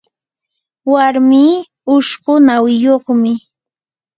warmii ushqu nawiyuqmi.